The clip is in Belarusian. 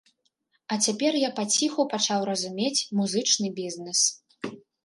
А цяпер я паціху пачаў разумець музычны бізнэс.